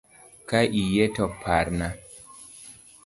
Ka iyie to parna